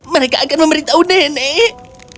mereka akan memberitahu nenek